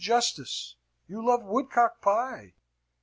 Justice, you love woodcock pie?"